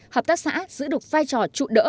hợp tác sản giữ được vai trò trụ đỡ